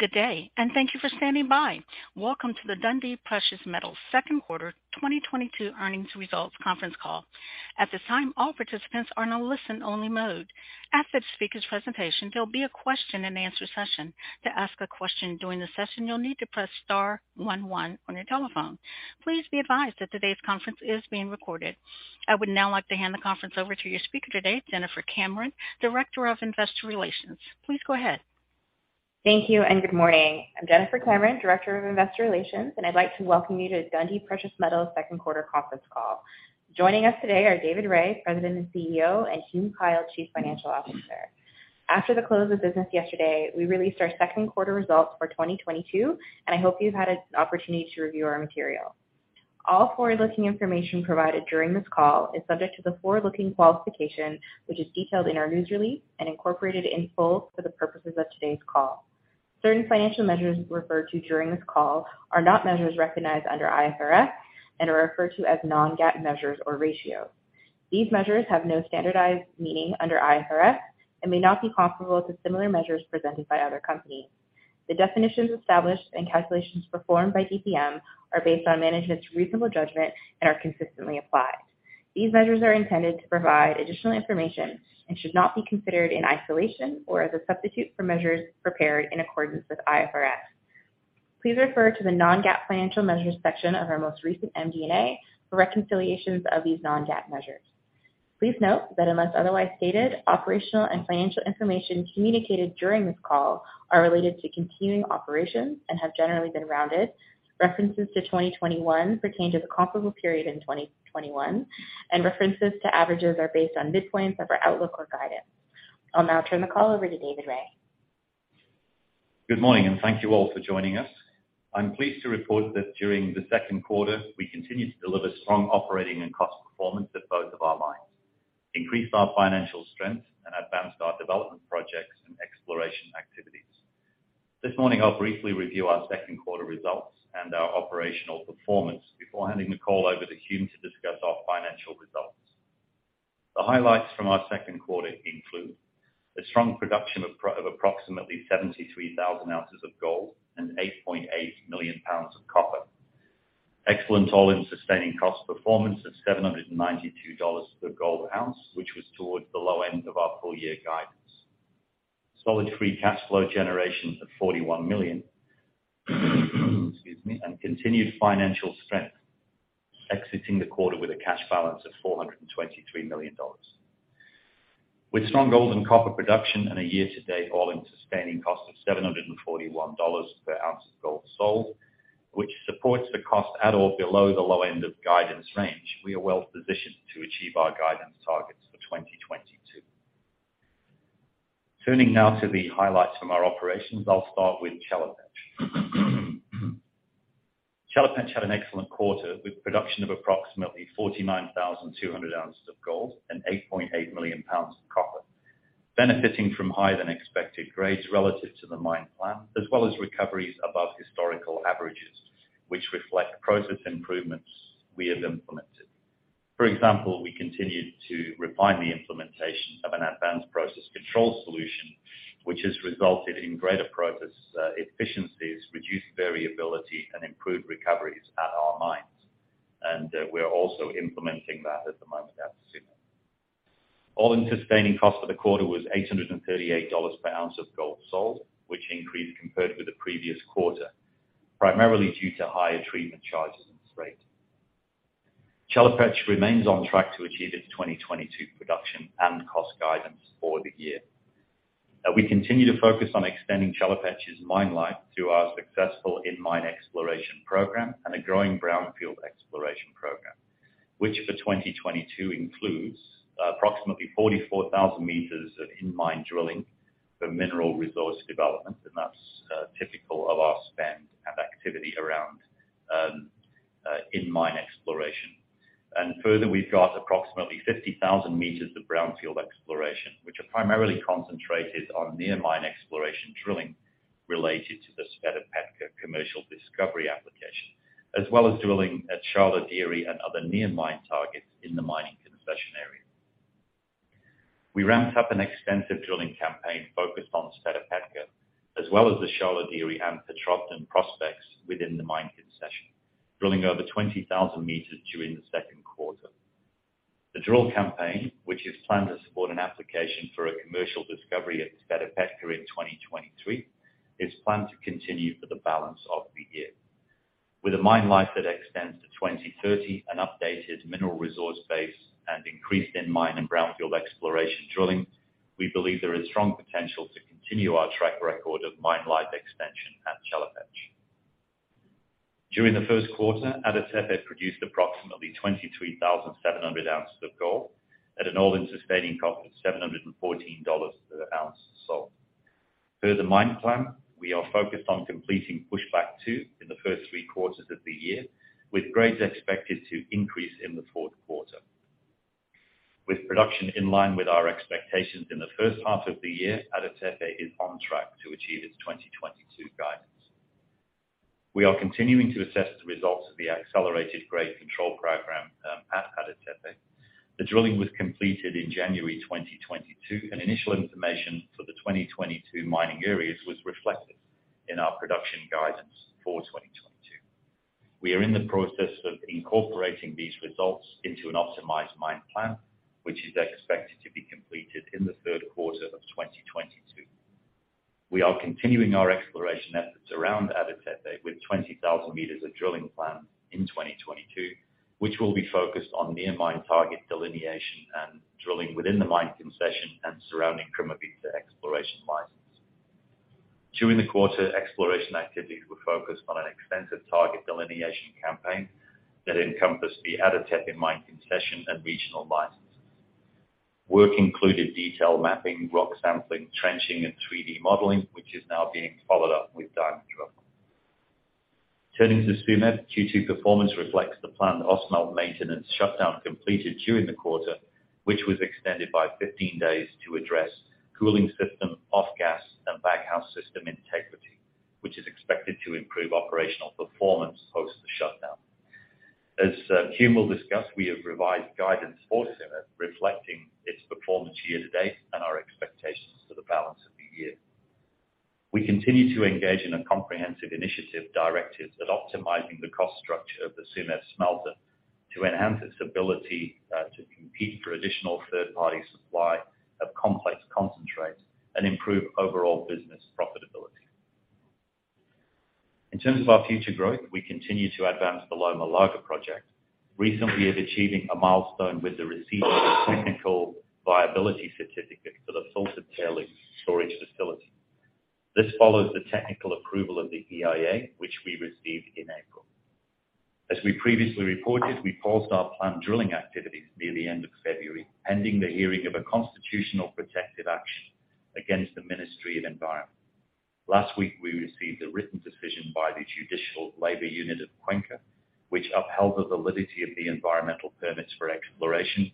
Good day, and thank you for standing by. Welcome to the Dundee Precious Metals Second Quarter 2022 Earnings Results Conference Call. At this time, all participants are in a listen only mode. After the speaker's presentation, there'll be a question and answer session. To ask a question during the session, you'll need to press star one one on your telephone. Please be advised that today's conference is being recorded. I would now like to hand the conference over to your speaker today, Jennifer Cameron, Director of Investor Relations. Please go ahead. Thank you and good morning. I'm Jennifer Cameron, Director of Investor Relations, and I'd like to welcome you to Dundee Precious Metals Second Quarter Conference Call. Joining us today are David Rae, President and CEO, and Hume Kyle, Chief Financial Officer. After the close of business yesterday, we released our second quarter results for 2022, and I hope you've had an opportunity to review our material. All forward-looking information provided during this call is subject to the forward-looking qualification, which is detailed in our news release and incorporated in full for the purposes of today's call. Certain financial measures referred to during this call are not measures recognized under IFRS and are referred to as non-GAAP measures or ratios. These measures have no standardized meaning under IFRS and may not be comparable to similar measures presented by other companies. The definitions established and calculations performed by DPM are based on management's reasonable judgment and are consistently applied. These measures are intended to provide additional information and should not be considered in isolation or as a substitute for measures prepared in accordance with IFRS. Please refer to the non-GAAP financial measures section of our most recent MD&A for reconciliations of these non-GAAP measures. Please note that unless otherwise stated, operational and financial information communicated during this call are related to continuing operations and have generally been rounded. References to 2021 pertain to the comparable period in 2021, and references to averages are based on midpoints of our outlook or guidance. I'll now turn the call over to David Rae. Good morning, and thank you all for joining us. I'm pleased to report that during the second quarter, we continued to deliver strong operating and cost performance at both of our mines, increased our financial strength, and advanced our development projects and exploration activities. This morning, I'll briefly review our second quarter results and our operational performance before handing the call over to Hume to discuss our financial results. The highlights from our second quarter include a strong production of approximately 73,000 oz of gold and 8.8 million lbs of copper. Excellent all-in sustaining cost performance of $792/oz gold, which was towards the low end of our full year guidance. Solid free cash flow generation of $41 million. Excuse me. Continued financial strength, exiting the quarter with a cash balance of $423 million. With strong gold and copper production and a year to date, all-in sustaining cost of $741/oz of gold sold, which supports the cost at or below the low end of guidance range, we are well positioned to achieve our guidance targets for 2022. Turning now to the highlights from our operations, I'll start with Chelopech. Chelopech had an excellent quarter, with production of approximately 49,200 oz of gold and 8.8 million lbs of copper, benefiting from higher than expected grades relative to the mine plan, as well as recoveries above historical averages, which reflect process improvements we have implemented. For example, we continued to refine the implementation of an advanced process control solution, which has resulted in greater process efficiencies, reduced variability, and improved recoveries at our mines. We're also implementing that at the moment at Tsumeb. All-in sustaining cost for the quarter was $838/oz of gold sold, which increased compared with the previous quarter, primarily due to higher treatment charges and freight. Chelopech remains on track to achieve its 2022 production and cost guidance for the year. We continue to focus on extending Chelopech's mine life through our successful in-mine exploration program and a growing brownfield exploration program, which for 2022 includes approximately 44,000 m of in-mine drilling for mineral resource development. That's typical of our spend and activity around in-mine exploration. Further, we've got approximately 50,000 meters of brownfield exploration, which are primarily concentrated on near mine exploration drilling related to the Sveta Petka commercial discovery application, as well as drilling at Sharlo Dere and other near mine targets in the mining concession area. We ramped up an extensive drilling campaign focused on Sveta Petka, as well as the Sharlo Dere and Petrovden prospects within the mining concession, drilling over 20,000 m during the second quarter. The drill campaign, which is planned to support an application for a commercial discovery at Sveta Petka in 2023, is planned to continue for the balance of the year. With a mine life that extends to 2030, an updated mineral resource base, and increased in-mine and brownfield exploration drilling, we believe there is strong potential to continue our track record of mine life extension at Chelopech. During the first quarter, Ada Tepe produced approximately 23,700 oz of gold at an all-in sustaining cost of $714/oz sold. Per the mine plan, we are focused on completing Pushback Two in the first three quarters of the year, with grades expected to increase in the fourth quarter. With production in line with our expectations in the first half of the year, Ada Tepe is on track to achieve its 2022 guidance. We are continuing to assess the results of the accelerated grade control program at Ada Tepe. The drilling was completed in January 2022, and initial information for the 2022 mining areas was reflected in our production guidance for 2022. We are in the process of incorporating these results into an optimized mine plan, which is expected to be completed in the third quarter of 2022. We are continuing our exploration efforts around Ada Tepe with 20,000 m of drilling planned in 2022, which will be focused on near mine target delineation and drilling within the mine concession and surrounding Kirimazli exploration license. During the quarter, exploration activities were focused on an extensive target delineation campaign that encompassed the Ada Tepe mining concession and regional licenses. Work included detail mapping, rock sampling, trenching, and 3D modeling, which is now being followed up with diamond drilling. Turning to Tsumeb, Q2 performance reflects the planned Ausmelt maintenance shutdown completed during the quarter, which was extended by 15 days to address cooling system off-gas and baghouse system integrity, which is expected to improve operational performance post the shutdown. As Hume will discuss, we have revised guidance for Tsumeb, reflecting its performance year to date and our expectations for the balance of the year. We continue to engage in a comprehensive initiative directed at optimizing the cost structure of the Tsumeb smelter to enhance its ability to compete for additional third-party supply of complex concentrates and improve overall business profitability. In terms of our future growth, we continue to advance the Loma Larga project. Recently achieving a milestone with the receipt of a technical viability certificate for the filtered tailings storage facility. This follows the technical approval of the EIA, which we received in April. As we previously reported, we paused our planned drilling activities near the end of February, pending the hearing of a constitutional protective action against the Ministry of Environment. Last week, we received a written decision by the Judicial Labor Unit of Cuenca, which upheld the validity of the environmental permits for exploration,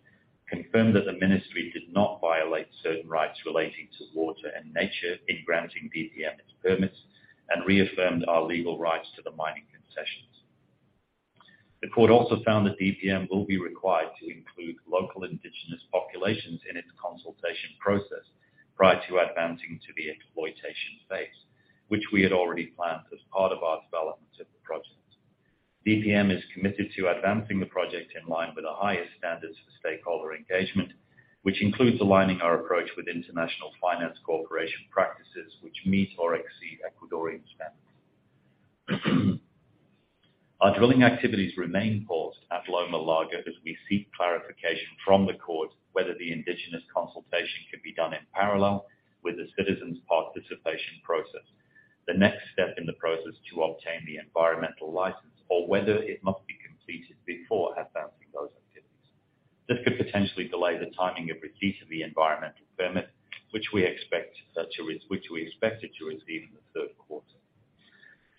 confirmed that the ministry did not violate certain rights relating to water and nature in granting DPM its permits, and reaffirmed our legal rights to the mining concessions. The court also found that DPM will be required to include local indigenous populations in its consultation process prior to advancing to the exploitation phase, which we had already planned as part of our development of the project. DPM is committed to advancing the project in line with the highest standards for stakeholder engagement, which includes aligning our approach with International Finance Corporation practices which meet or exceed Ecuadorian standards. Our drilling activities remain paused at Loma Larga as we seek clarification from the court whether the indigenous consultation can be done in parallel with the citizens' participation process, the next step in the process to obtain the environmental license, or whether it must be completed before advancing those activities. This could potentially delay the timing of receipt of the environmental permit, which we expected to receive in the third quarter.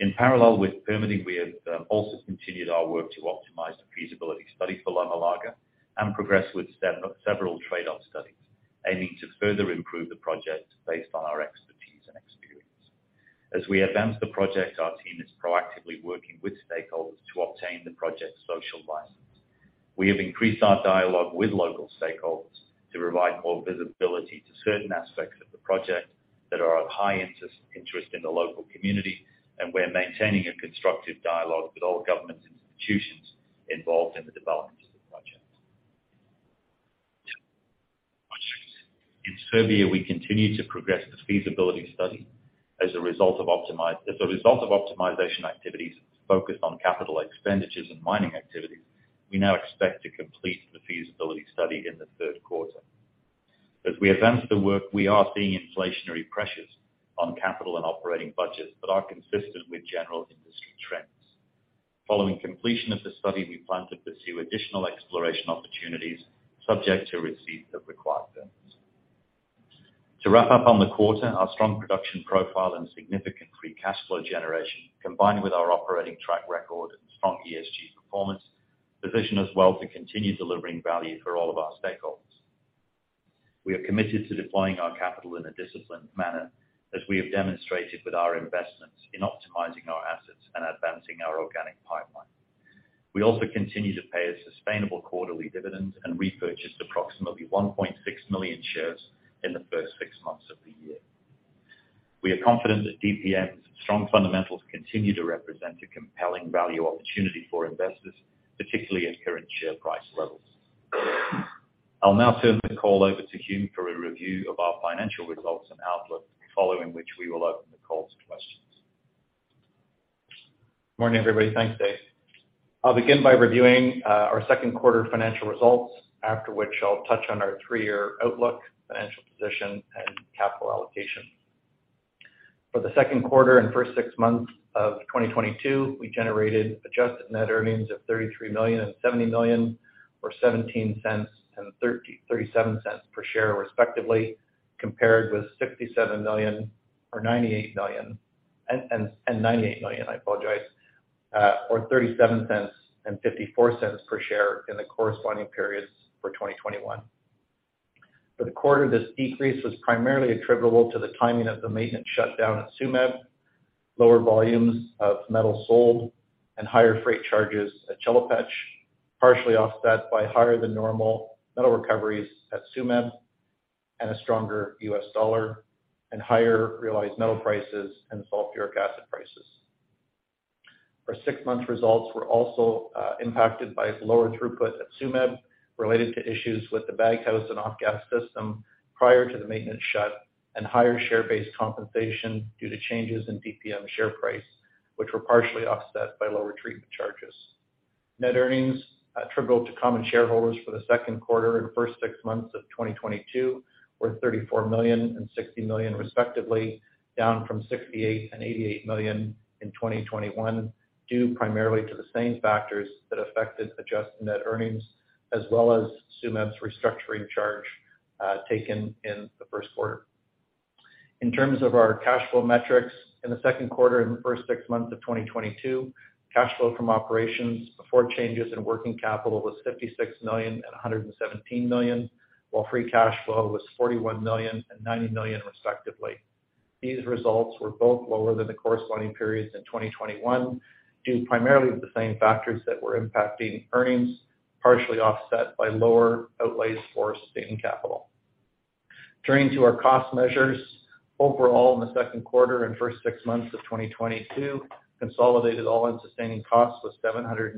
In parallel with permitting, we have also continued our work to optimize the feasibility study for Loma Larga and progress with several trade-off studies, aiming to further improve the project based on our expertise and experience. As we advance the project, our team is proactively working with stakeholders to obtain the project's social license. We have increased our dialogue with local stakeholders to provide more visibility to certain aspects of the project that are of high interest in the local community, and we're maintaining a constructive dialogue with all government institutions involved in the development of the project. In Serbia, we continue to progress the feasibility study as a result of optimization activities focused on capital expenditures and mining activities, we now expect to complete the feasibility study in the third quarter. As we advance the work, we are seeing inflationary pressures on capital and operating budgets that are consistent with general industry trends. Following completion of the study, we plan to pursue additional exploration opportunities subject to receipt of required permits. To wrap up on the quarter, our strong production profile and significant free cash flow generation, combined with our operating track record and strong ESG performance, position us well to continue delivering value for all of our stakeholders. We are committed to deploying our capital in a disciplined manner as we have demonstrated with our investments in optimizing our assets and advancing our organic pipeline. We also continue to pay a sustainable quarterly dividend and repurchased approximately 1.6 million shares in the first six months of the year. We are confident that DPM's strong fundamentals continue to represent a compelling value opportunity for investors, particularly at current share price levels. I'll now turn the call over to Hume for a review of our financial results and outlook, following which we will open the call to questions. Morning, everybody. Thanks, Dave. I'll begin by reviewing our second quarter financial results. After which, I'll touch on our three-year outlook, financial position, and capital allocation. For the second quarter and first six months of 2022, we generated adjusted net earnings of $33 million and $70 million, or $0.17 and $0.37 per share respectively, compared with $67 million and $98 million, or $0.37 and $0.54 per share in the corresponding periods for 2021. For the quarter, this decrease was primarily attributable to the timing of the maintenance shutdown at Tsumeb, lower volumes of metal sold, and higher freight charges at Chelopech, partially offset by higher than normal metal recoveries at Tsumeb and a stronger U.S. dollar and higher realized metal prices and sulfuric acid prices. Our six-month results were also impacted by lower throughput at Tsumeb related to issues with the baghouse and off-gas system prior to the maintenance shut and higher share-based compensation due to changes in DPM share price, which were partially offset by lower treatment charges. Net earnings attributable to common shareholders for the second quarter and first six months of 2022 were $34 million and $60 million respectively, down from $68 million and $88 million in 2021, due primarily to the same factors that affected adjusted net earnings as well as Tsumeb's restructuring charge taken in the first quarter. In terms of our cash flow metrics in the second quarter and the first six months of 2022, cash flow from operations before changes in working capital was $56 million and $117 million, while free cash flow was $41 million and $90 million respectively. These results were both lower than the corresponding periods in 2021, due primarily to the same factors that were impacting earnings, partially offset by lower outlays for sustained capital. Turning to our cost measures. Overall, in the second quarter and first six months of 2022, consolidated all-in sustaining costs was $792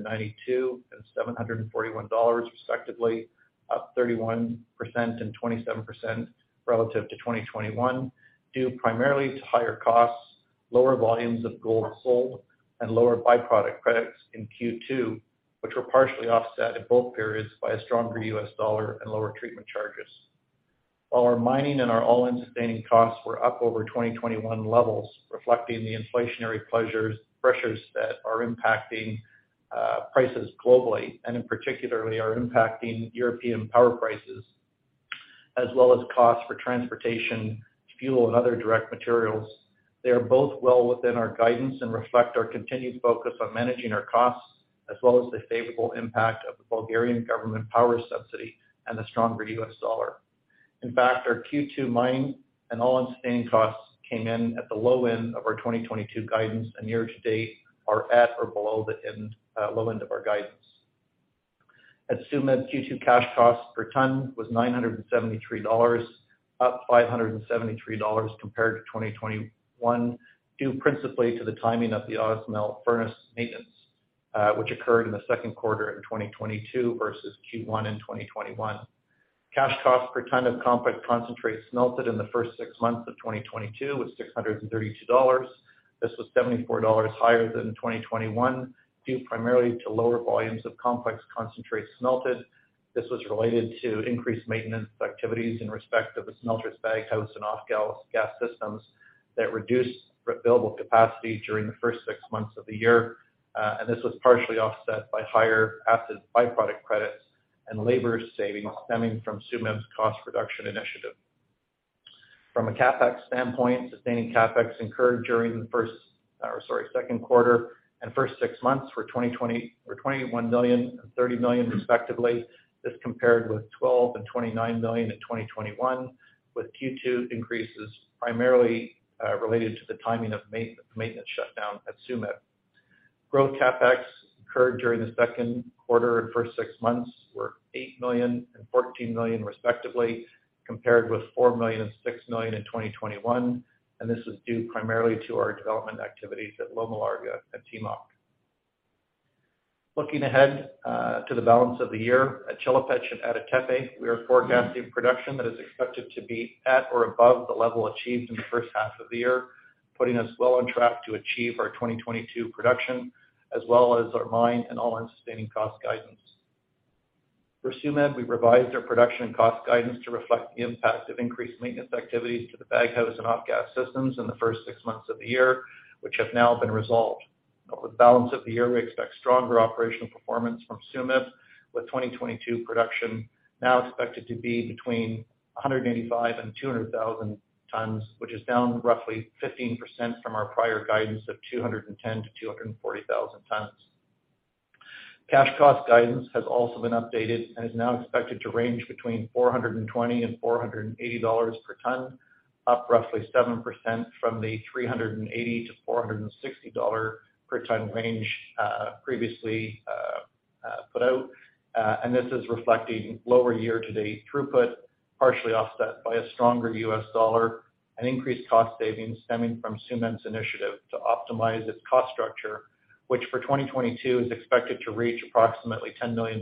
and $741 respectively, up 31% and 27% relative to 2021, due primarily to higher costs, lower volumes of gold sold, and lower byproduct credits in Q2, which were partially offset in both periods by a stronger U.S. dollar and lower treatment charges. While our mining and our all-in sustaining costs were up over 2021 levels, reflecting the inflationary pressures that are impacting prices globally, and in particular are impacting European power prices, as well as costs for transportation, fuel, and other direct materials, they are both well within our guidance and reflect our continued focus on managing our costs, as well as the favorable impact of the Bulgarian government power subsidy and the stronger U.S. dollar. In fact, our Q2 mining and all-in sustaining costs came in at the low end of our 2022 guidance and year-to-date are at or below the low end of our guidance. At Tsumeb, Q2 cash cost per ton was $973, up $573 compared to 2021, due principally to the timing of the Ausmelt furnace maintenance, which occurred in the second quarter in 2022 versus Q1 in 2021. Cash cost per ton of complex concentrates smelted in the first six months of 2022 was $632. This was $74 higher than in 2021, due primarily to lower volumes of complex concentrates smelted. This was related to increased maintenance activities in respect of the smelter's baghouse and off-gas systems that reduced available capacity during the first six months of the year. This was partially offset by higher acid byproduct credits and labor savings stemming from Tsumeb's cost reduction initiative. From a CapEx standpoint, sustaining CapEx incurred during the second quarter and first six months were $21 million and $30 million respectively. This compared with $12 million and $29 million in 2021, with Q2 increases primarily related to the timing of maintenance shutdown at Tsumeb. Growth CapEx occurred during the second quarter and first six months were $8 million and $14 million respectively, compared with $4 million and $6 million in 2021, and this was due primarily to our development activities at Loma Larga and Timok. Looking ahead to the balance of the year, at Chelopech and at Ada Tepe, we are forecasting production that is expected to be at or above the level achieved in the first half of the year, putting us well on track to achieve our 2022 production as well as our mine and all-in sustaining cost guidance. For Tsumeb, we revised our production cost guidance to reflect the impact of increased maintenance activities to the baghouse and off-gas systems in the first six months of the year, which have now been resolved. For the balance of the year, we expect stronger operational performance from Tsumeb, with 2022 production now expected to be between 185,000 and 200,000 tons, which is down roughly 15% from our prior guidance of 210,000-240,000 tons. Cash cost guidance has also been updated and is now expected to range between $420 and $480 per ton, up roughly 7% from the $380-$460 per ton range, previously put out. This is reflecting lower year-to-date throughput, partially offset by a stronger US dollar and increased cost savings stemming from DPM's initiative to optimize its cost structure, which for 2022 is expected to reach approximately $10 million.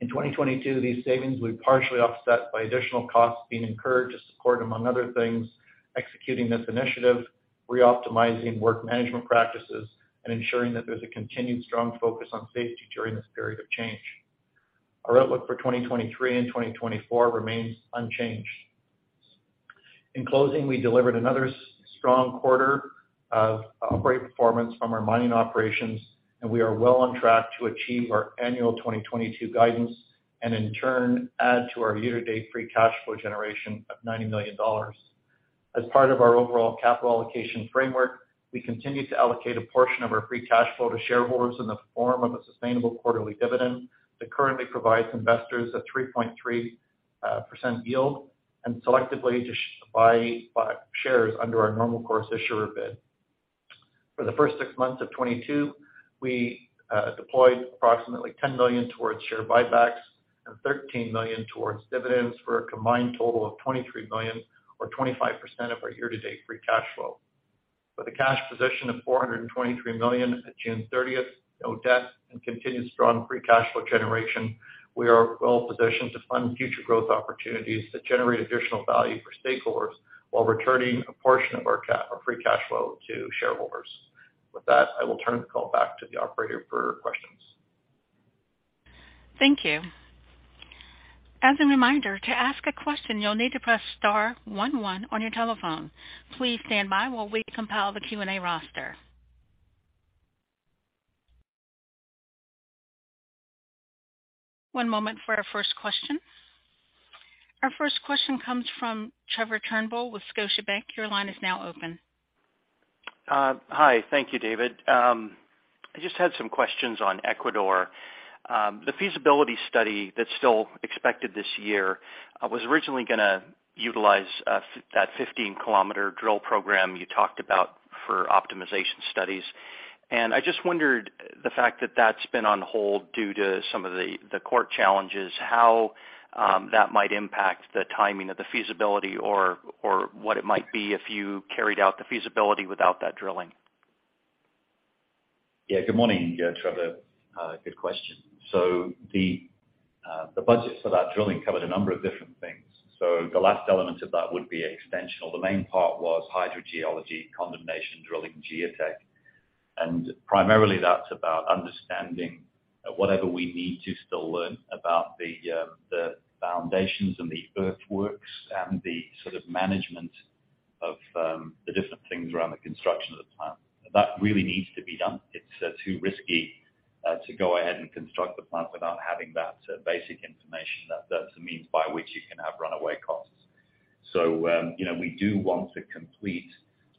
In 2022, these savings will be partially offset by additional costs being incurred to support, among other things, executing this initiative, reoptimizing work management practices, and ensuring that there's a continued strong focus on safety during this period of change. Our outlook for 2023 and 2024 remains unchanged. In closing, we delivered another strong quarter of great performance from our mining operations, and we are well on track to achieve our annual 2022 guidance and in turn add to our year-to-date free cash flow generation of $90 million. As part of our overall capital allocation framework, we continue to allocate a portion of our free cash flow to shareholders in the form of a sustainable quarterly dividend that currently provides investors a 3.3% yield, and selectively just buy shares under our normal course issuer bid. For the first six months of 2022, we deployed approximately $10 million towards share buybacks and $13 million towards dividends for a combined total of $23 million or 25% of our year-to-date free cash flow. With a cash position of $423 million at June 30th, no debt, and continued strong free cash flow generation, we are well positioned to fund future growth opportunities that generate additional value for stakeholders while returning a portion of our free cash flow to shareholders. With that, I will turn the call back to the operator for questions. Thank you. As a reminder, to ask a question, you'll need to press star one one on your telephone. Please stand by while we compile the Q&A roster. One moment for our first question. Our first question comes from Trevor Turnbull with Scotiabank. Your line is now open. Hi. Thank you, David. I just had some questions on Ecuador. The feasibility study that's still expected this year was originally gonna utilize that 15-km drill program you talked about for optimization studies. I just wondered the fact that that's been on hold due to some of the court challenges, how that might impact the timing of the feasibility or what it might be if you carried out the feasibility without that drilling. Yeah. Good morning, Trevor. Good question. The budgets for that drilling covered a number of different things. The last element of that would be extensional. The main part was hydrogeology, condemnation, drilling, geotech. Primarily, that's about understanding whatever we need to still learn about the foundations and the earthworks and the sort of management of the different things around the construction of the plant. That really needs to be done. It's too risky to go ahead and construct the plant without having that basic information. That's a means by which you can have runaway costs. You know, we do want to complete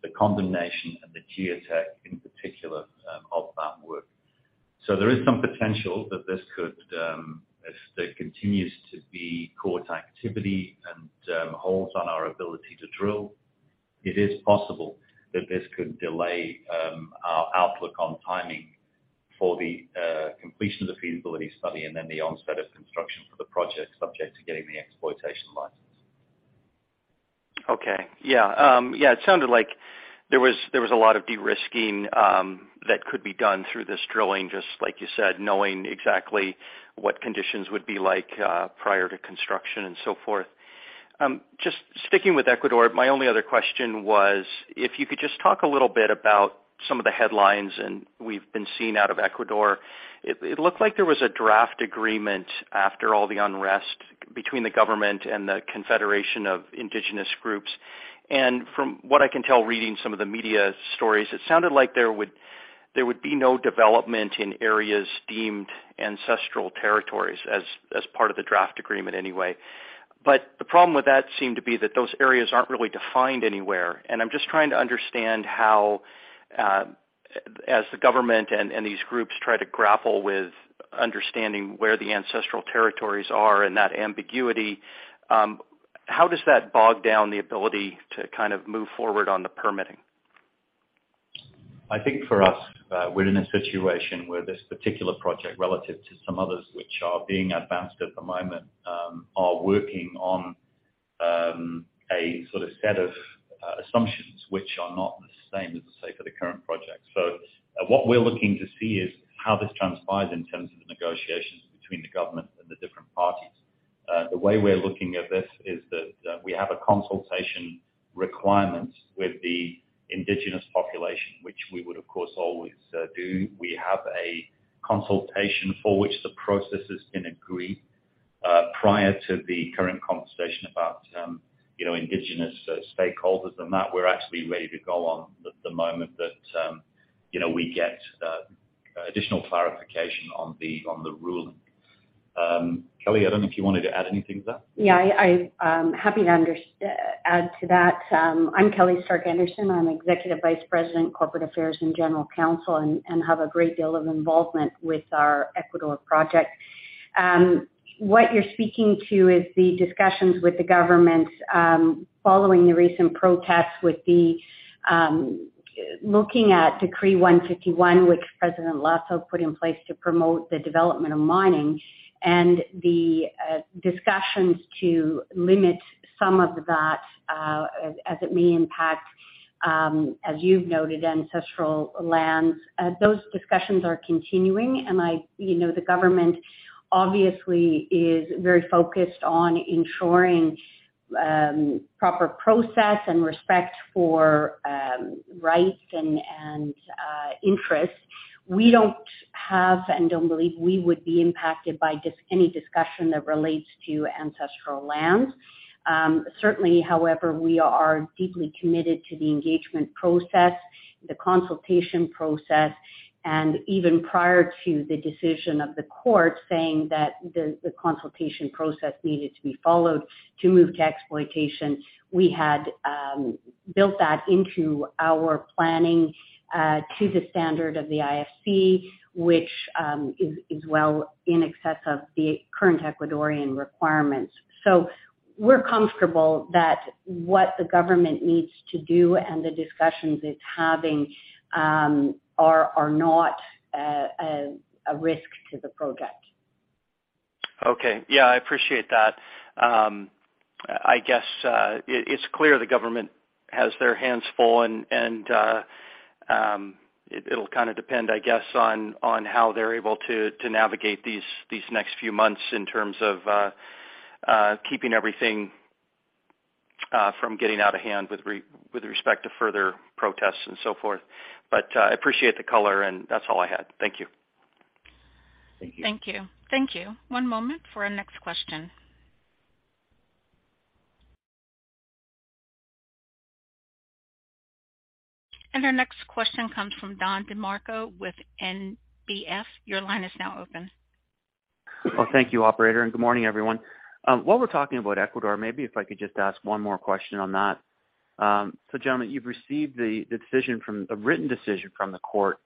the condemnation and the geotech in particular of that work. There is some potential that this could, if there continues to be court activity and, holds on our ability to drill, it is possible that this could delay, our outlook on timing for the, completion of the feasibility study and then the onset of construction for the project subject to getting the exploitation license. Okay. Yeah. It sounded like there was a lot of de-risking that could be done through this drilling, just like you said, knowing exactly what conditions would be like prior to construction and so forth. Just sticking with Ecuador, my only other question was if you could just talk a little bit about some of the headlines that we've been seeing out of Ecuador. It looked like there was a draft agreement after all the unrest between the government and the confederation of indigenous groups. From what I can tell reading some of the media stories, it sounded like there would be no development in areas deemed ancestral territories as part of the draft agreement anyway. The problem with that seemed to be that those areas aren't really defined anywhere. I'm just trying to understand how, as the government and these groups try to grapple with understanding where the ancestral territories are and that ambiguity, how does that bog down the ability to kind of move forward on the permitting? I think for us, we're in a situation where this particular project relative to some others which are being advanced at the moment are working on a sort of set of assumptions which are not the same as, say, for the current project. What we're looking to see is how this transpires in terms of the negotiations between the government and the different parties. The way we're looking at this is that we have a consultation requirement with the indigenous population, which we would, of course, always do. We have a consultation for which the process has been agreed prior to the current conversation about you know indigenous stakeholders, and that we're actually ready to go on the moment that you know we get additional clarification on the ruling. Kelly, I don't know if you wanted to add anything to that. Yeah. I happy to add to that. I'm Kelly Stark-Anderson. I'm Executive Vice President, Corporate Affairs and General Counsel and have a great deal of involvement with our Ecuador project. What you're speaking to is the discussions with the government, following the recent protests with the looking at Decree 151, which President Lasso put in place to promote the development of mining and the discussions to limit some of that, as it may impact, as you've noted, ancestral lands. Those discussions are continuing. You know, the government obviously is very focused on ensuring proper process and respect for rights and interests. We don't have and don't believe we would be impacted by any discussion that relates to ancestral lands. Certainly, however, we are deeply committed to the consultation process, and even prior to the decision of the court saying that the consultation process needed to be followed to move to exploitation, we had built that into our planning to the standard of the IFC, which is well in excess of the current Ecuadorian requirements. We're comfortable that what the government needs to do and the discussions it's having are not a risk to the project. Okay. Yeah, I appreciate that. I guess it's clear the government has their hands full and it'll kind of depend, I guess, on how they're able to navigate these next few months in terms of keeping everything from getting out of hand with respect to further protests and so forth. I appreciate the color, and that's all I had. Thank you. Thank you. Thank you. Thank you. One moment for our next question. Our next question comes from Don DeMarco with NBF. Your line is now open. Well, thank you, operator, and good morning, everyone. While we're talking about Ecuador, maybe if I could just ask one more question on that. Gentlemen, you've received the written decision from the court.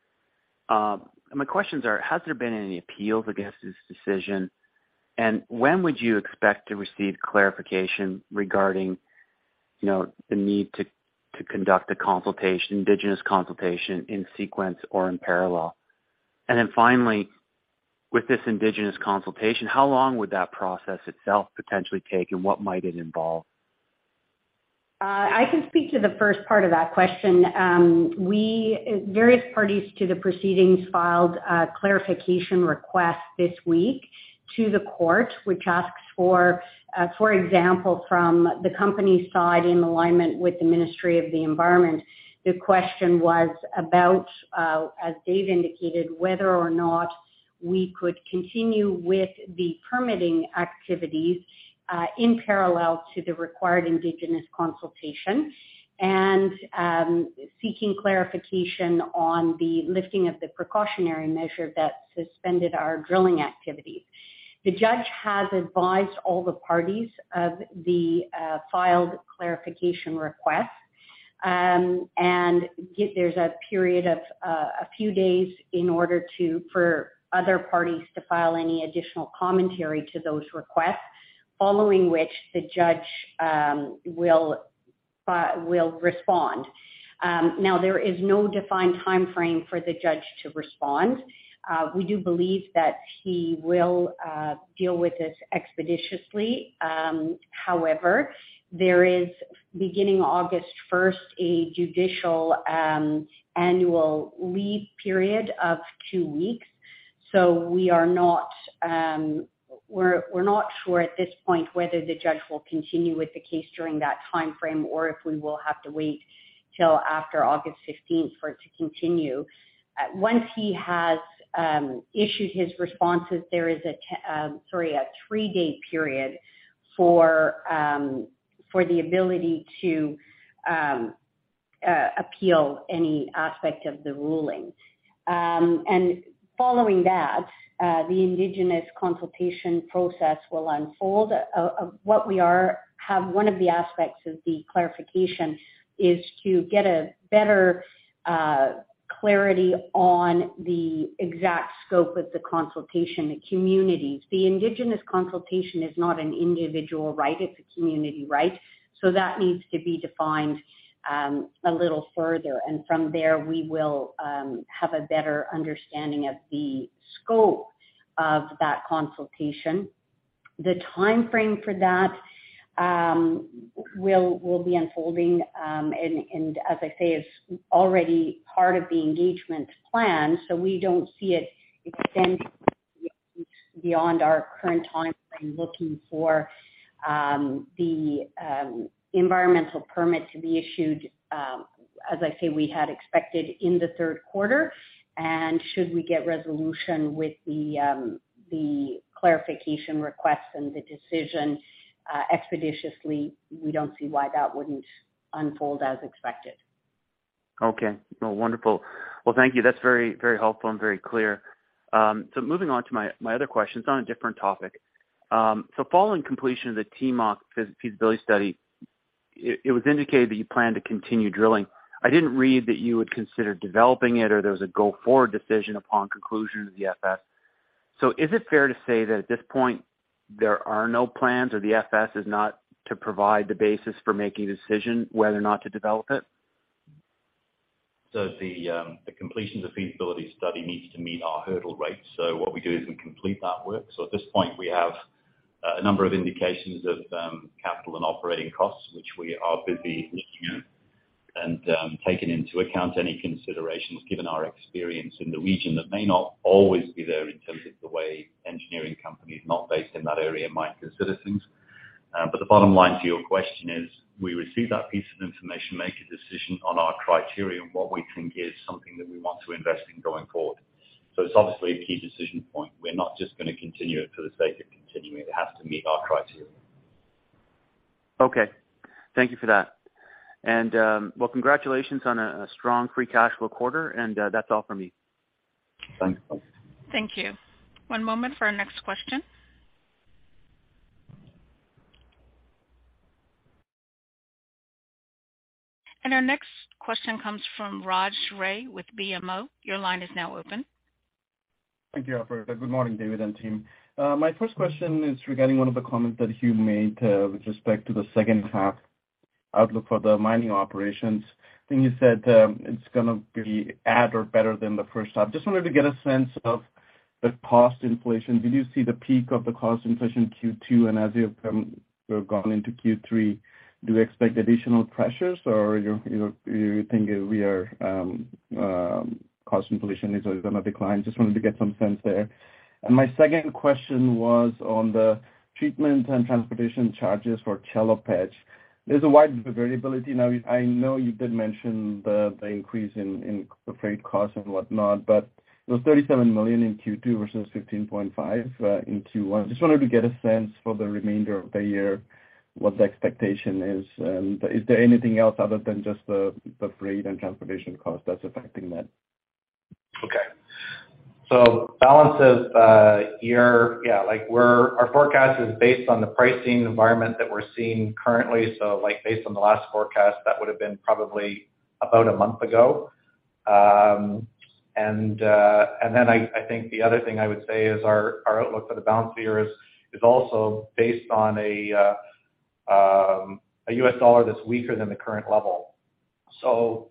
My questions are, has there been any appeals against this decision? When would you expect to receive clarification regarding, you know, the need to conduct a consultation, indigenous consultation in sequence or in parallel? Finally, with this indigenous consultation, how long would that process itself potentially take, and what might it involve? I can speak to the first part of that question. Various parties to the proceedings filed a clarification request this week to the court, which asks for example, from the company side in alignment with the Ministry of the Environment, the question was about, as David indicated, whether or not we could continue with the permitting activities, in parallel to the required indigenous consultation and seeking clarification on the lifting of the precautionary measure that suspended our drilling activities. The judge has advised all the parties of the filed clarification request, and there's a period of a few days in order to, for other parties to file any additional commentary to those requests, following which the judge will respond. Now there is no defined timeframe for the judge to respond. We do believe that he will deal with this expeditiously. However, there is, beginning August first, a judicial annual leave period of two weeks. We are not sure at this point whether the judge will continue with the case during that timeframe or if we will have to wait till after August fifteenth for it to continue. Once he has issued his responses, there is a three-day period for the ability to appeal any aspect of the ruling. Following that, the indigenous consultation process will unfold. One of the aspects of the clarification is to get a better clarity on the exact scope of the consultation communities. The indigenous consultation is not an individual right, it's a community right, so that needs to be defined a little further. From there, we will have a better understanding of the scope of that consultation. The timeframe for that will be unfolding, and as I say, it's already part of the engagement plan, so we don't see it extending beyond our current timeframe, looking for the environmental permit to be issued, as I say, we had expected in the third quarter. Should we get resolution with the clarification request and the decision expeditiously, we don't see why that wouldn't unfold as expected. Okay. Well, wonderful. Well, thank you. That's very, very helpful and very clear. Moving on to my other questions on a different topic. Following completion of the Timok feasibility study, it was indicated that you plan to continue drilling. I didn't read that you would consider developing it or there was a go-forward decision upon conclusion of the FS. Is it fair to say that at this point there are no plans or the FS is not to provide the basis for making a decision whether or not to develop it? The completion of the feasibility study needs to meet our hurdle rates. What we do is we complete that work. At this point, we have a number of indications of capital and operating costs, which we are busy looking at and taking into account any considerations given our experience in the region that may not always be there in terms of the way engineering companies not based in that area might consider things. The bottom line to your question is we receive that piece of information, make a decision on our criteria, and what we think is something that we want to invest in going forward. It's obviously a key decision point. We're not just gonna continue it for the sake of continuing it. It has to meet our criteria. Okay, thank you for that. Well, congratulations on a strong free cash flow quarter, and that's all from me. Thanks. Thank you. One moment for our next question. Our next question comes from Raj Ray with BMO. Your line is now open. Thank you, operator. Good morning, David and team. My first question is regarding one of the comments that Hume made, with respect to the second half outlook for the mining operations. I think you said, it's gonna be at or better than the first half. Just wanted to get a sense of the cost inflation. Did you see the peak of the cost inflation Q2? As you've gone into Q3, do you expect additional pressures or you think cost inflation is gonna decline? Just wanted to get some sense there. My second question was on the treatment and transportation charges for Chelopech. There's a wide variability now. I know you did mention the increase in the freight costs and whatnot, but it was $37 million in Q2 versus $15.5 million in Q1. Just wanted to get a sense for the remainder of the year, what the expectation is. Is there anything else other than just the freight and transportation cost that's affecting that? Our forecast is based on the pricing environment that we're seeing currently. Like, based on the last forecast, that would have been probably about a month ago. I think the other thing I would say is our outlook for the balance of the year is also based on a U.S. dollar that's weaker than the current level. You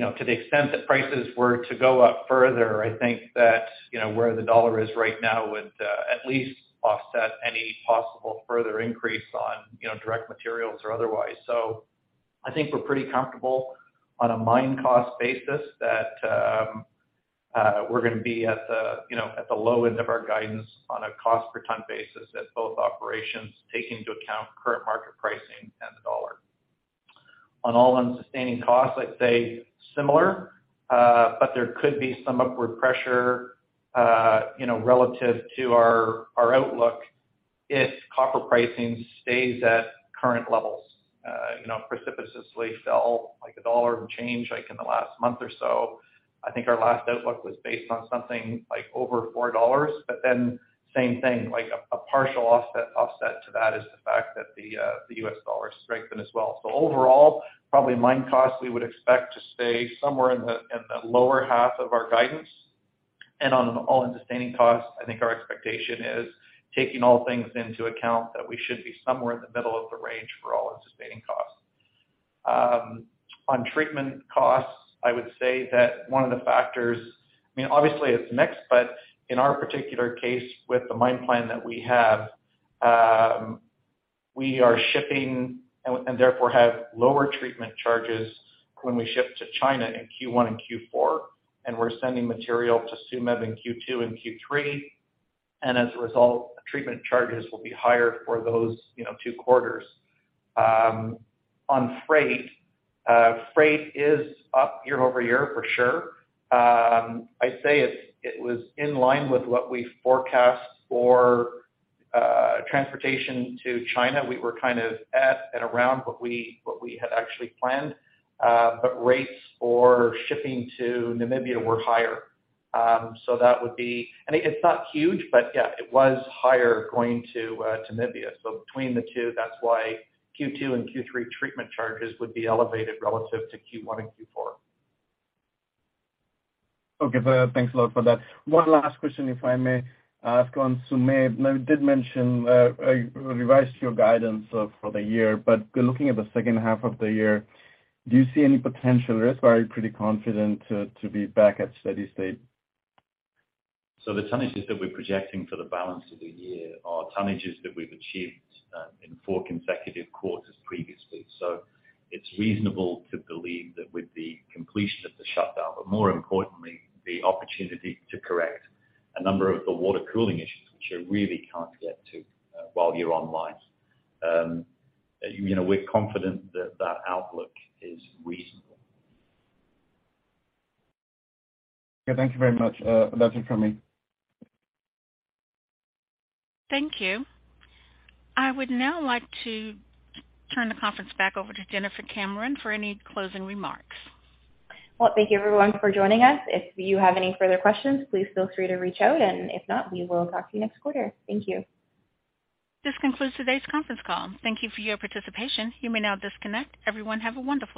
know, to the extent that prices were to go up further, I think that, you know, where the dollar is right now would at least offset any possible further increase on, you know, direct materials or otherwise. I think we're pretty comfortable on a mine cost basis that we're gonna be at the, you know, at the low end of our guidance on a cost per ton basis at both operations, taking into account current market pricing and the dollar. On all-in sustaining costs, I'd say similar, but there could be some upward pressure, you know, relative to our outlook if copper pricing stays at current levels. You know, copper pricing precipitously fell like $1 and change like in the last month or so. I think our last outlook was based on something like over $4. Then same thing, like a partial offset to that is the fact that the U.S. dollar strengthened as well. Overall, probably mine costs we would expect to stay somewhere in the lower half of our guidance. On all-in sustaining costs, I think our expectation is, taking all things into account, that we should be somewhere in the middle of the range for all-in sustaining costs. On treatment charges, I would say that one of the factors, I mean, obviously it's mixed, but in our particular case, with the mine plan that we have, we are shipping and therefore have lower treatment charges when we ship to China in Q1 and Q4, and we're sending material to Tsumeb in Q2 and Q3. As a result, treatment charges will be higher for those, you know, two quarters. On freight is up year-over-year for sure. I'd say it's, it was in line with what we forecast for transportation to China. We were kind of at and around what we had actually planned. Rates for shipping to Namibia were higher. It's not huge, but yeah, it was higher going to Namibia. Between the two, that's why Q2 and Q3 treatment charges would be elevated relative to Q1 and Q4. Okay. Thanks a lot for that. One last question, if I may ask on Tsumeb. You did mention revised your guidance for the year, but looking at the second half of the year, do you see any potential risk or are you pretty confident to be back at steady state? The tonnages that we're projecting for the balance of the year are tonnages that we've achieved in four consecutive quarters previously. It's reasonable to believe that with the completion of the shutdown, but more importantly, the opportunity to correct a number of the water cooling issues which you really can't get to while you're online, you know, we're confident that that outlook is reasonable. Okay, thank you very much. That's it from me. Thank you. I would now like to turn the conference back over to Jennifer Cameron for any closing remarks. Well, thank you everyone for joining us. If you have any further questions, please feel free to reach out, and if not, we will talk to you next quarter. Thank you. This concludes today's conference call. Thank you for your participation. You may now disconnect. Everyone, have a wonderful day.